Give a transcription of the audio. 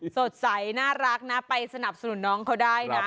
สดใสน่ารักนะไปสนับสนุนน้องเขาได้นะ